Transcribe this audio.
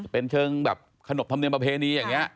เป็นเชิงแบบขนบธรรมเนียมประเพณีอย่างนี้